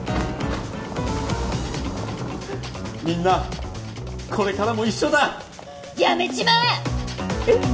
みんなこれからも一緒だ辞めちまえ！